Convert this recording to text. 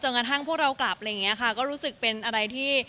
กระทั่งพวกเรากลับอะไรอย่างนี้ค่ะก็รู้สึกเป็นอะไรที่